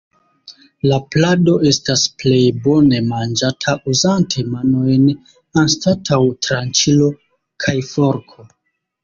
La plado estas plej bone manĝata uzante manojn anstataŭ tranĉilo kaj forko.